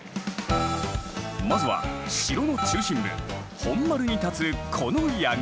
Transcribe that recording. まずは城の中心部本丸に立つこの櫓。